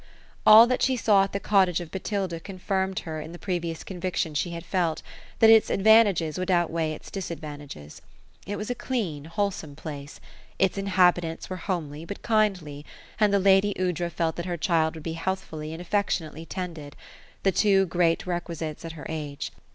All that she saw at the cottage of Botilda confirmed her in the pre vious conviction she had felt, that its advantages would outweigh its dis advantages. It was a clean wholesome place; its inhabitants were homely but kindly ; and the lady Aoudra felt that her child would be healthfully and affectionately tended — the two great requisites at her age.